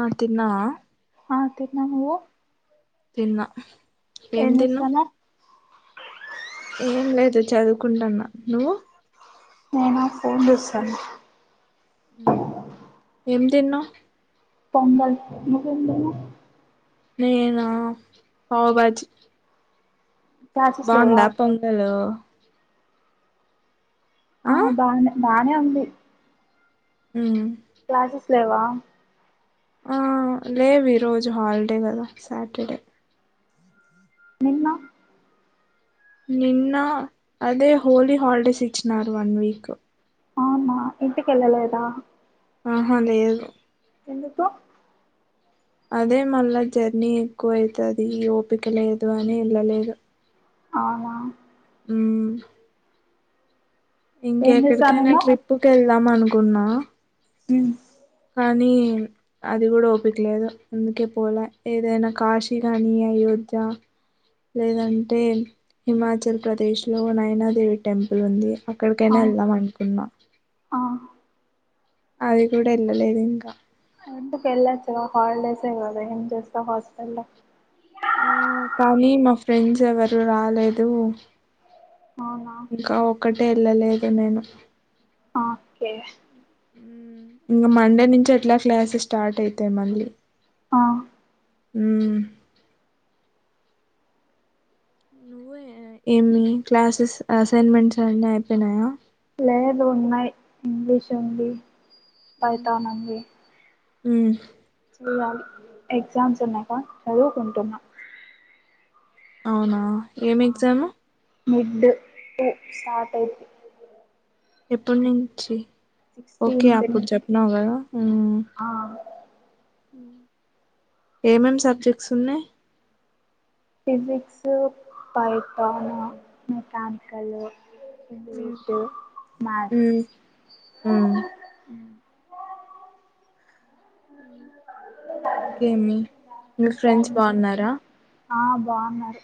ఆ తిన్నావా ఆ తిన్నా నువ్వు తిన్నా ఏం చేస్తున్నావ్ ఏం లేదు చదువుకుంటాన్నా నువ్వు నేనా ఫోను చూస్తానా ఏం తినవు పొంగల్ నువ్వు ఏం తిన్నావ్ నేనా పావ్ భాజీ క్లాసెస్ లేవా బాగుందా పొంగలు ఆ బానే బానే ఉంది ఉమ్. క్లాసస్ లేవా ఆ లేవు ఈ రోజు హాలిడే కదా సాటర్డే నిన్నా నిన్న అదే హోలీ హాలిడేస్ ఇచ్చనారు వన్ వీక్ అవునా ఇంటికి ఏళ్ళలేదా హా లేదు ఎందుకు అదే మళ్ళా జర్నీ ఎక్కువ అవుతది ఓపిక లేదు అని ఏళ్ళలేదు అవునా హ్మ్మ్ ఏం ఇంకెక్కడికైనా చేస్తానన్నావ్ ట్రిప్పుకి వెళ్దాం అనుకున్నా హ్మ్మ్ కానీ అది కూడా ఒపికలేదు అందుకే పోలే ఏదైనా కాశీ కానీ అయోధ్య జా లేదంటే హిమాచల్ ప్రదేశ్ లో నయనాదేవి టెంపుల్ ఉంది ఆ ఎక్కడికైనా వెళ్దాం అనుకున్నా ఆ అది కూడా ఏళ్ళలేదు ఇంకా ఎందుకు వెళ్ళచ్చు హాలిడేసే కదా ఏం చేస్తావు హాస్టల్లో ఆ కానీ మా ఫ్రెండ్స్ ఎవరు రాలేదు అవునా ఇంకా ఒకటే ఏళ్ళలేదు నేను ఓకే మ్మ్. ఇంకా మండే నుంచి ఎట్లా క్లాసెస్ స్టార్ట్ అయితాయి మళ్ళీ ఆ ఉ ఏమి క్లాసెస్ అసైన్మెంట్స్ అన్నీ అయిపోయినాయా లేదు ఉన్నాయ్ ఇంగ్లీషు ఉంది పైథోన్ ఉంది హ్మ్మ్ చేూయాలి ఎగ్జామ్స్ ఉన్నాక చదువుకుంటున్నా అవునా ఏం ఎగ్జాము మిడ్ టూస్టార్ట్ అయిపో ఎప్పుడు నుంచి ఓకే సిక్స్టీన్త్ అప్పుడు నుంచి చెప్పినవు కదా ఆ ఏమేం సబ్జెక్ట్స్ ఉన్నాయి ఫిజిక్స్ పైథాన్ బొటానికల్ ఉమ్. ఇంగ్లీష్ మ్యాథ్స్ ఉమ్. ఇంకేమి మీ ఇంకా ఫ్రెండ్స్ బాగున్నారా ఆ బాగున్నారు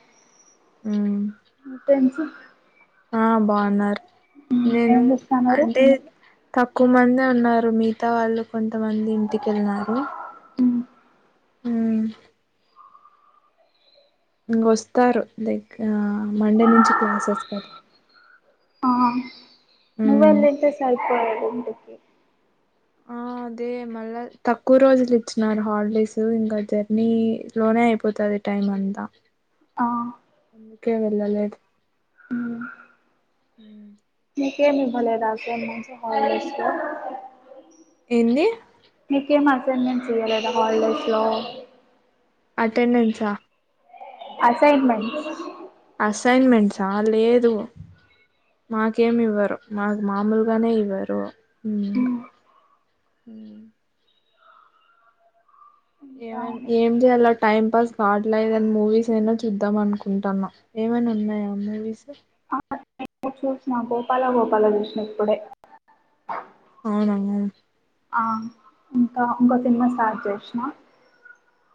హ్మ్మ్ మీ ఫ్రెండ్స్ ఆ బాగున్నారు నేను ఏం చేస్తున్నారు అంటే తక్కువ మంది ఉన్నారు మిగతా వాళ్ళు కొంతమంది ఇంటికెల్లి న్నారు హ్మ్మ్ ఇక వస్తారు లైక్ మండే నుంచి క్లాసెస్ కదా ఆ ఉమ్. నువెళ్ళుంటే సరిపోయేది ఇంటికి ఆ అదే మళ్ళా తక్కువ రోజులు ఇచ్చినారు హాలిడేస్ ఇంకా జర్నీ లోనే ఐపోతాది టైం అంతా ఆ ఎందుకే వెళ్ళ లేదు మీకేం ఇవ్వలేదా హాలిడేస్ [inaudible] ఏంది మీకేం అసైన్మెంట్ ఇయ్యలేదా హాలిడేస్ లో అటెండెన్స్ ఆ అసైన్మెంట్ అసైన్మెంట్సా ఆ లేదు మాకేమి ఇవ్వరు మాకు మామూలుగానే ఇవ్వరు ఉ ఇంకా ఏమం ఏం చేయాలో టైం పాస్ కాట్లా ఏదన మూవీస్ అయినా చూద్దాం అనుకుంటాన్నా ఏమైనా ఉన్నాయా మూవీస్ ఇ చూసిన గోపాల గోపాల చూసిన ఇప్పుడే అవునా ఇంకా ఇంకో సినిమా స్టార్ట్ చేసిన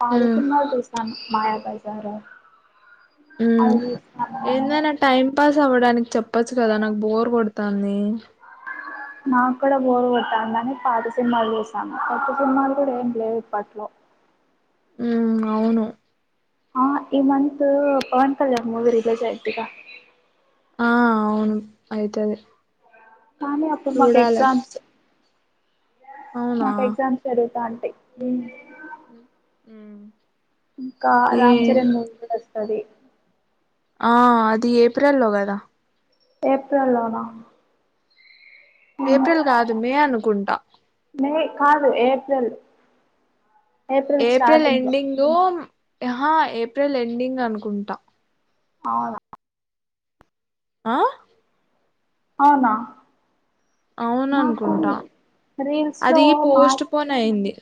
పాది సినిమాలు చూసాను మాయా బజార్ ఉ ఏందో అయినా టైం పాస్ అవ చడానికి చెప్పచ్చు కదా నాకు బోర్ కొడతాంది నాకు కూడా బోరు కొట్టందని పాత సినిమాలు చూసాను పాత్త సినిమాలు కూడా ఏం లేవు ఇప్పట్లో ఉ అవును ఆ ఈ month Pawan Kalyan movie release అయితిగా ఆ అవును అయితది కానీ అప్పుడు మాకు చూడాలది ఎగ్జామ్స్ అవునా మాకు ఎగ్జామ్స్ జరుగుతాం ఉమ్ ఇంకా ఈ రామ్ చరణ్ మూవీ కూడా వస్తుంది ఆ అది ఏప్రిల్లో కదా ఏప్రిల్ లోన ఏప్రిల్ కాదు మే అనుకుంటా మే కాదు ఏప్రిల్ ఏప్రిల్ స్టార్టింగ్ లో ఎండింగ్ హా ఏప్రిల్ ఎండింగ్ అనుకుంటా అవునా ఆ అవునా అవును నాకు అనుకుంటా రీల్స్ లో అది మా పోస్ట్ పోన్ అయింది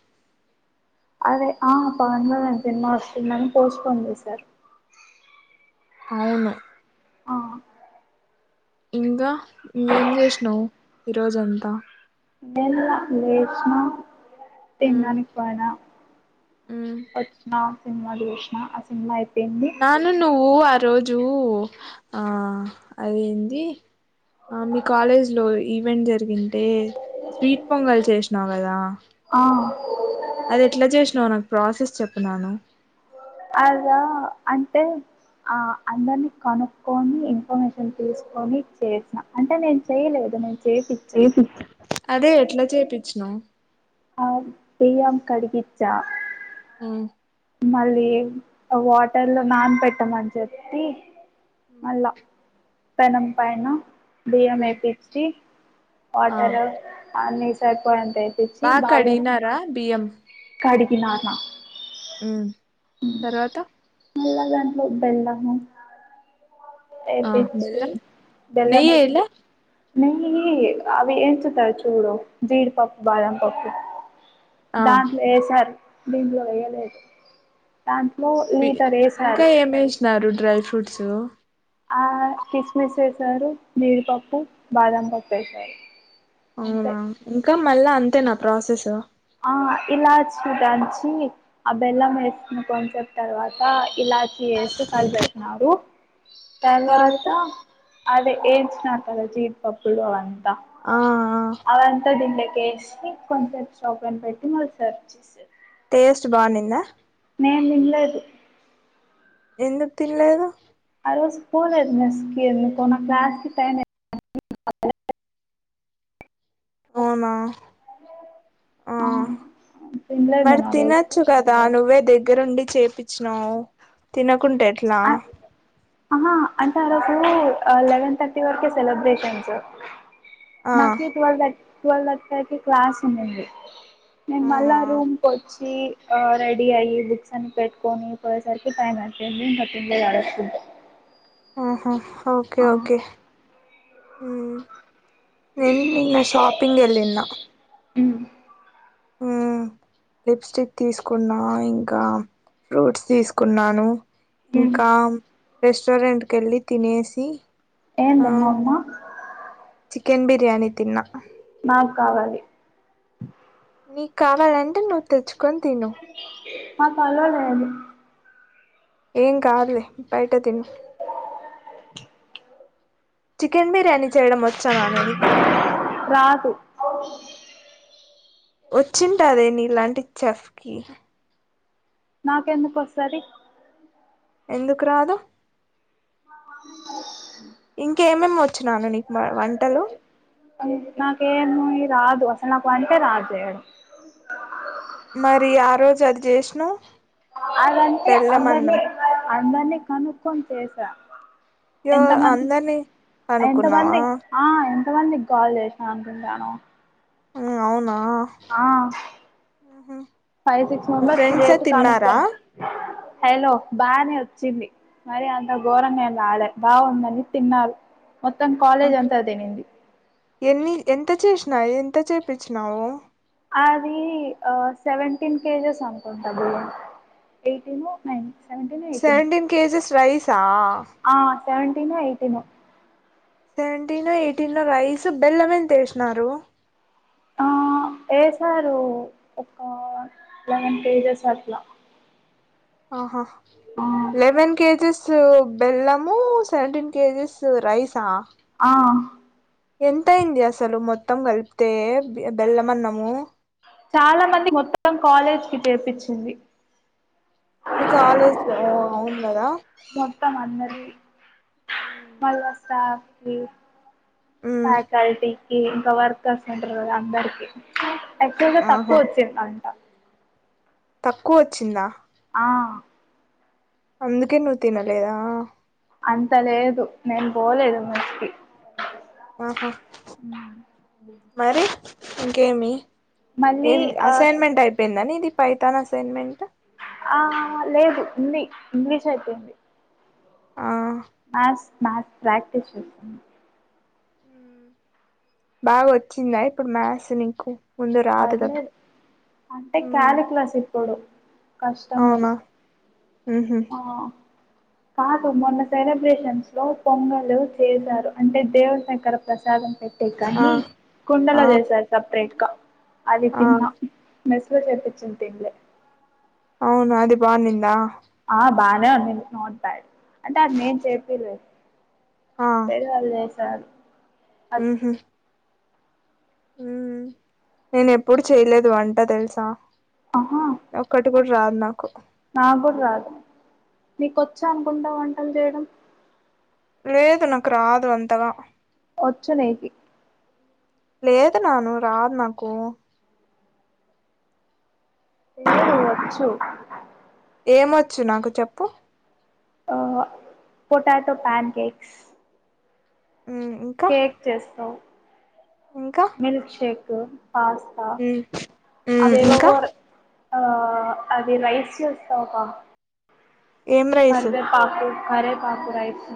అదే ఆ పవన్ కల్యాణ్ సినిమా వస్తుందని పోస్ట్పోన్ చేసారు అవును ఆ ఇంకా ఇంకేం చేసినావు ఈరోజంతా నేను లేసిన ఉమ్ తినడానికి పోయినా ఉమ్ వచ్చిన సినిమా చూసిన ఆ సినిమా అయిపో నాను నువ్వు ఆ రోజు ఆ అదేంది ఆ మీ కాలేజ్ లో ఈవెంట్ జరిగింటే స్వీట్ పొంగల్ చేసినావు కదా ఆ అది ఎట్లా చేసినావు నాకు ప్రాసెస్ చెప్పన్నాను అద అంటే ఆ అందరినీ కనుక్కొని ఇన్ఫర్మేషన్ తీసుకొని చేసినా అంటే నేను చేయలేదు నేను చేపిచ్చా చేపి అదే ఎట్లా చేపించినవు ఆ బియ్యం కడిగిచ్చ ఉమ్ మళ్ళీ వాటర్ లో నాన పెట్టామని చెప్పి హ్మ్ మళ్ళా పెనం పైన బియ్యం ఉమ్ ఏపిచి ఆ వాటర్ అని సరిపోప్పించి బాగా కడిగినారా బియ్యం కడిగిన నానా హ్మ్ తర్వాత నగాంలో బెల్లము ఆ అయిపిచ్చి బెల్లం బేలం అయిపి నెయ్యేయలే నే అవి ఎం చెప్పారో చూడో జీడి పప్పు బాదాం పప్పు ఆ దాంట్లో వేసారు దీంట్లో వేయలేదు దాంట్లో బి లీటర్ ఇంకా వేసారు ఏమేసినారు డ్రై ఫ్రూట్స్ ఆ కిస్మిస్ వేసారు జీడిపప్పు బాదం పప్పు వేసారు అంతే అవునా ఇంకా మళ్ళా అంతే నా ప్రాసెస్ ఆ ఇలా చూటంచి ఆ బెల్లం వేసిన కొన్సెప్ తర్వాత ఇలా చే చేసి కలిపెట్టినారు తర్వాత అది ఏంచిన కదా జీడిపప్పులు అని ఆ అవంతా దీనిలోక వేసి కొంచెం షాపన్ పెట్టి మళ్ళీ సర్వే చేసారు టేస్ట్ బావునింద నేను తినాల్లేదు ఎందుకు తిన్నలేదు ఆ రోజు పోలేదు మిస్కీ ఎందుకనో క్లాస్ కి టైమ్ అయి అవునా ఆ అవును తినలేదు మరి నేను ఆ రోజు తినచ్చు కదా నువ్వే దగ్గ దగ్గరుండి చేపచ్చినావు తినకుంటే ఎట్లా ఆహా అంటే ఆ రోజు ఆ లెవెన్ థర్టీ వరకే సెలబ్రేషన్స్ ఆ నాకు ట్వెల్వ్ థర్ట్ ట్వెల్వ్ థర్టీ ఫైవ్ కి క్లాస్ ఉందింది నేను మళ్ళా అవునా రూమ్ కి వచ్చి ఆ రెడీ అయ్యే బుక్స్ అని పెట్టుకొని పోయేసరికి టైమ్ అయిపోయింది ఇంకా తినలేదు ఆ రోజు ఫుడ్ ఆహా ఓకే ఆ ఓకే మ్మ్ నేను నిన్న షాపింగ్ ఏల్లిన హ్మ్ హ్మ్ లిప్స్టిక్ తీసుకున్నా ఇంకా ఫ్రూట్స్ తీసుకున్నాను ఇంకా రెస్టారెంట్ కేళ్ళి తినేసి ఆ ఎంది అమ్మమా చికెన్ బిర్యానీ తిన్నా నాకు కావాలి నీకు కావాలంటే నువ్వు తెచ్చు మాకు అల్లో లేదు ఏం కాదులే బయట తిను [inaudible] చికెన్ బిర్యానీ చేయడం వచ్చా నాన్న నీకు రాదు వచ్చి ఉంటదే నీలాంటి చెఫ్ కి నాకెందుకు వాస్తది ఎందుకు రాదు [inaudible] ఇంకేమేం వచ్చు నాన్న నీకు మా వంటలు నాకే ఏమి రాదు నాకు వంటే రాదూ చేయటం మరి ఆ రోజు అది చేసినవ్ అదంటే బెల్లం అందనీ అన్నం అందరినీ కనుక్కొని చేసా. యో ఎంత మంది అందరినీ ఎంత కనుక్కున్నావా మంది ఆ. ఎంత మందికాల్ చేసిన అనుకుంటన్నావ్. హూ అవునా. మ్మ్ ఫైవ్ సిక్స్ మీ మెంబర్స్ ఫ్రెండ్సే చేపిస్తా తిన్నారా కానుకునన్న. హలో బానే వచ్చింది, మరి అంత ఘోరంగాఏం రాలే బాగుందని తిన్నారు. మొత్తం ఉహు. కాలేజ్ అంతా తినింది. ఫ్రై ఎంత చేయిచ్చినావు. అది ఆ సెవెంటీన్ కేజెస్ అనుకుంటంది. Eighteen nine. Seventeen eighteen seventeen kgs రైసా. Seventeen eighteen. Seventeen eighteen rice బెల్లం ఎంత వేసినారు. ఏ సారు ఒక లెవెన్ కేజెస్ అట్లా. ఆహా, ఆ లెవెన్ కేజీస్. స్ బెల్లము సెవెంటంటీన్ కేజీస్ రైసా. ఆ ఎంత అయింది అసలు మొత్తం కలిపితే బెల్లం అన్నము. చాలా మంది మొత్తం కాలేజ్ కి చేర్పించింది. మీ కాలేజ్ ఓ అవును గాదా. మొత్తం అందరికి, మళ్ళ స్టాఫ్ కి. మ్మ్ ఫకల్టీకి ఇంకా వర్కర్స్ ఉంటారు కదా అందరికి. ఎక్కడ గా ఆహా తక్కువ వచ్చింద అంట. తక్కువ వచ్చిందా. ఆ అందుకే నువ్వు తినలేదా. అంత లేదు నేను పోలేదు మష్కి. ఆహా, మరి ఇంకేమి‌. మళ్ళీ ఏం ఆ అసైన్మెంట్ అయిపోయిందా నీది పైతాన్ అసైన్మెంట్. ఆ లేదు ఉంది ఇంగ్లీష్ అయిపోయింది. ఆ మ్యాస్ ప్రాక్టీస్ చే. బాగా వచ్చిందా ఇప్పుడు మ్యాస్ నీకు. ముందు రాదు కదా పర్లేదు అంటే మ్, కాలిక్లాస్ ఇప్పుడు. కష్టం మది. అవునా [unintelligible] కాదు మొన్న సెలబ్రేషన్స్ లో పొంగలు చేశారు అంటే దేవ శంకర ప్రసాదం పెట్. ఆ కహి, ఆ కుండలా చెసారు సపరేట్ కా. అది ఆ తిన్నా, మెస్లొ చేపించింది తింలే. అవును అది బా నిందా. ఆ బానే ఉంది నాట్ బ్యాడ్, అంటే అది నేను చేపీయలేదు. [unintelligible] హుహు హ్మ్ నేను ఎప్పుడు చేయలేదు అంటా తెలుసా, ఒక్కటి కూడా. రాదు నాకు. నా కూడా రాదు, నీకొచ్చా అనుకుంటా వంటలు చేయడం. లేదు నాకు రాదు అంతగా. ఒచ్చు నికి. లేదు నాను రాదు నాకు. ఏ వచ్చు. ఏమొచ్చు నాకు చెప్పు. ఆ పొటాటో ప్యాన్ కేక్స్. మ్, ఇంకా కేక్ చేస్తావ్. ఇంకా మిల్క్ షేక్. పాస్తా, ఉమ్ ఉమ్ ఇంకా అవేవేవొర్ ఆ అది రైస్ తోఫా ఏం రైస్ కరవే పాకు కరేపాకు రైస్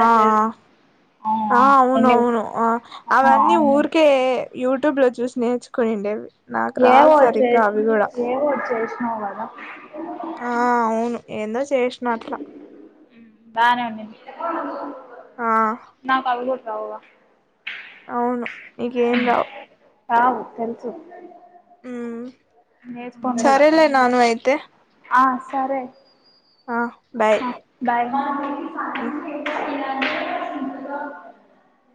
ఆ ఆ అవునవును ఆ అవన్నీ ఊర్కే. యూట్యూబ్ లో చూసి నేర్చుకోనిండేవి. ఏవ్ వచ్చే ఏవో చేసినావ్ కదా? ఆ అవును ఏందో చేసిన అట్లా. ఆ నాక్ అవికూడాడ రావ్ గా. అవును నీకేం రావు. కావు తెలుసు. ఉ నేర్చుకోను కూడా సరేలే ననూ అయితే! ఆ సరే బాయ్ మ్ [unintelligible]